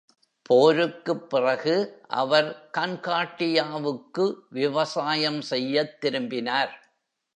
போருக்குப் பிறகு, அவர் கான்கார்டியாவுக்கு விவசாயம் செய்யத் திரும்பினார்.